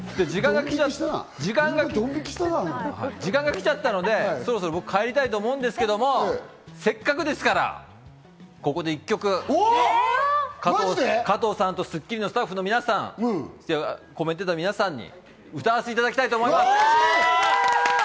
時間が来ちゃったので、僕はそろそろ帰りたいと思うんですけれど、せっかくですから、ここで１曲、加藤さんと『スッキリ』のスタッフの皆さん、コメンテーターの皆さんに歌わせていただきたいと思います。